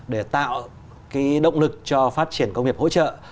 để tạo động lực cho phát triển công nghiệp hỗ trợ